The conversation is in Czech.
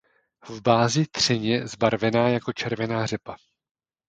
V bázi třeně zbarvená jako červená řepa.